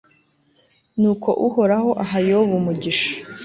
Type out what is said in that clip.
nuko uhoraho aha yobu umugisha